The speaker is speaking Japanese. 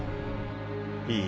いい？